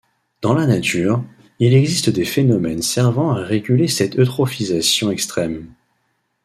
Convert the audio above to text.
Dans la nature, il existe des phénomènes servant à réguler cette eutrophisation extrême.